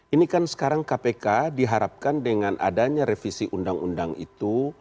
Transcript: ini kan sekarang kpk diharapkan dengan adanya revisi undang undang itu